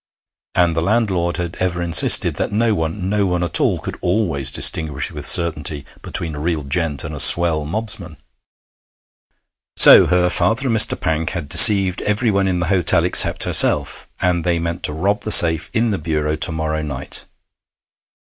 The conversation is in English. And the landlord had ever insisted that no one, no one at all, could always distinguish with certainty between a real gent and a swell mobsman. So her father and Mr. Pank had deceived everyone in the hotel except herself, and they meant to rob the safe in the bureau to morrow night.